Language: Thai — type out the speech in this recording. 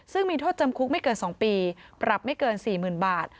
ซึ่งมีโทษจำคุกไม่เกิน๒ปีปรับไม่เกิน๔๐๐๐บาท